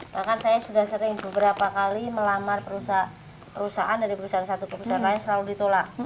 bahkan saya sudah sering beberapa kali melamar perusahaan dari perusahaan satu ke perusahaan lain selalu ditolak